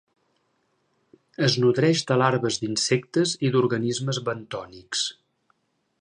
Es nodreix de larves d'insectes i d'organismes bentònics.